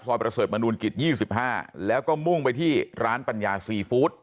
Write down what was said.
ประเสริฐมนุนกิจ๒๕แล้วก็มุ่งไปที่ร้านปัญญาซีฟู้ด